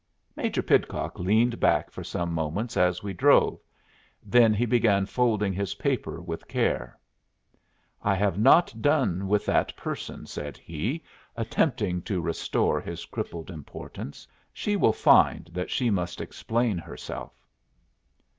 Major Pidcock leaned back for some moments as we drove. Then he began folding his paper with care. "I have not done with that person," said he, attempting to restore his crippled importance. "She will find that she must explain herself."